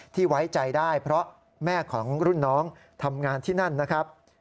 ไว้ใจได้เพราะแม่ของรุ่นน้องทำงานที่นั่นนะครับ